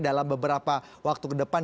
dalam beberapa waktu ke depan